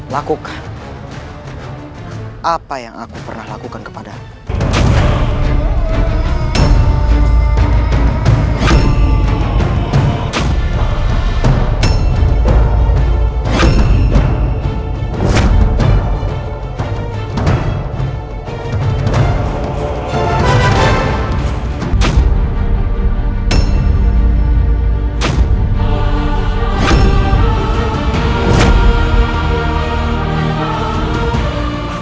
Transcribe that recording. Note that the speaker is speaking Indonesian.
lakukan apa yang aku pernah lakukan kepada anda